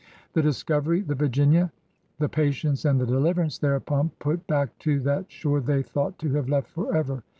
The Discovery, the Virginia, the Patience, ajid the Deliverance thereupon put back to that shore they thought to have left forever.